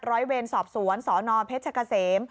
ร้อยเวรสอบสวนสนเพชรกะเสม